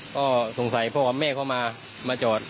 ก็สงสัยพวกพระม่าเข้ามามาจอด